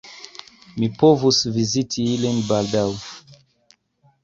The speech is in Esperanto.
Mi povus viziti ilin baldaŭ.